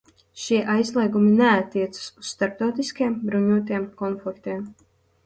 Šie aizliegumi neattiecas uz starptautiskiem bruņotiem konfliktiem.